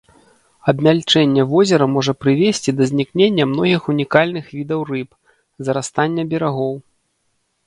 Абмяльчэнне возера можа прывесці да знікнення многіх унікальных відаў рыб, зарастання берагоў.